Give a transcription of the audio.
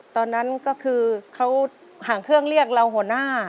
ตอนนั้นก็คือเขาหางเครื่องเรียกเราหัวหน้า